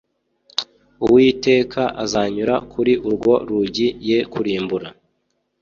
uwiteka azanyura kuri urwo rugi ye kurimbura